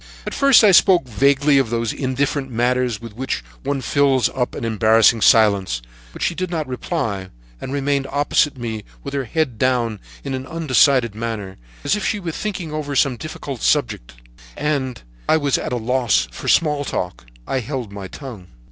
At first I spoke vaguely of those indifferent matters with which one fills up an embarrassing silence, but she did not reply, and remained opposite to me with her head down in an undecided manner, as if she were thinking over some difficult subject, and as I was at a loss for small talk, I held my tongue.